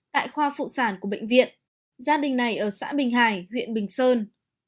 tại khoa phụ sản của bệnh viện gia đình này ở xã bình hải huyện bình sơn